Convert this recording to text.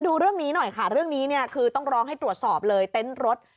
ดูเรื่องนี้หน่อยค่ะเรื่องนี้เนี่ยคือต้องร้องให้ตรวจสอบเลยเต็นต์รถ